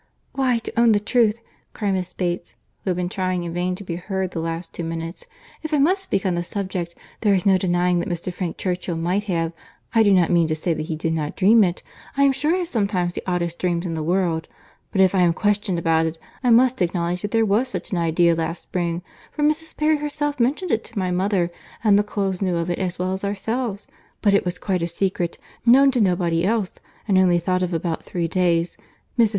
"Why, to own the truth," cried Miss Bates, who had been trying in vain to be heard the last two minutes, "if I must speak on this subject, there is no denying that Mr. Frank Churchill might have—I do not mean to say that he did not dream it—I am sure I have sometimes the oddest dreams in the world—but if I am questioned about it, I must acknowledge that there was such an idea last spring; for Mrs. Perry herself mentioned it to my mother, and the Coles knew of it as well as ourselves—but it was quite a secret, known to nobody else, and only thought of about three days. Mrs.